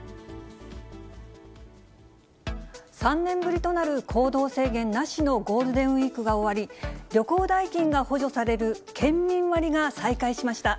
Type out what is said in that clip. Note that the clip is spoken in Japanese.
３年ぶりとなる行動制限なしのゴールデンウィークが終わり、旅行代金が補助される県民割が再開しました。